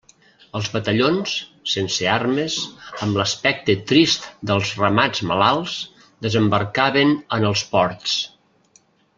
Els batallons, sense armes, amb l'aspecte trist dels ramats malalts, desembarcaven en els ports.